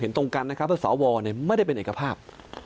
เห็นตรงกันนะครับเพราะสาววอลไม่ได้เป็นเอกภาพ